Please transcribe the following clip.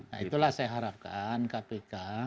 nah itulah saya harapkan kpk